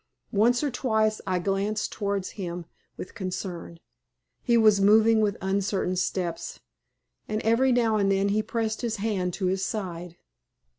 Once or twice I glanced towards him with concern. He was moving with uncertain steps, and every now and then he pressed his hand to his side.